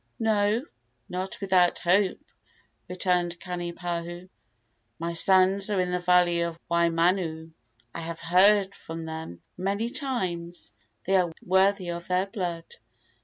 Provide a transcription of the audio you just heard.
"No, not without hope," returned Kanipahu. "My sons are in the valley of Waimanu. I have heard from them many times. They are worthy of their blood.